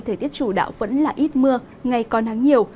thời tiết chủ đạo vẫn là ít mưa ngày còn nắng nhiều